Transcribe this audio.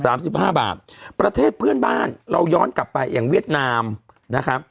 สิบห้าบาทประเทศเพื่อนบ้านเราย้อนกลับไปอย่างเวียดนามนะครับ